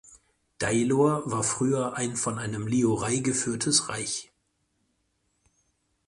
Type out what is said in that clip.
Dailor war früher ein von einem Liurai geführtes Reich.